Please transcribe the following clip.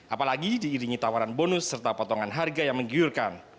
apalagi diiringi tawaran bonus serta potongan harga yang menggiurkan